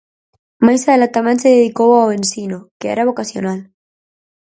Mais ela tamén se dedicou ao ensino, que era vocacional.